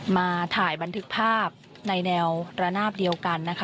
มาถ่ายบันทึกภาพในแนวระนาบเดียวกันนะคะ